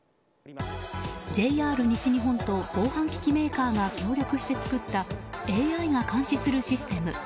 ＪＲ西日本と防犯機器メーカーが協力して作ったＡＩが監視するシステム。